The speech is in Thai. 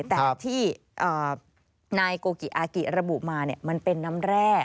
แต่ที่นายโกกิอากิระบุมามันเป็นน้ำแร่